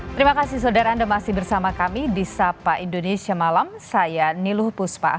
terima kasih saudara anda masih bersama kami di sapa indonesia malam saya niluh puspa